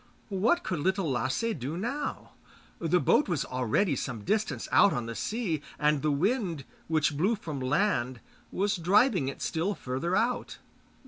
What could Little Lasse do now? The boat was already some distance out on the sea, and the wind, which blew from land, was driving it still further out.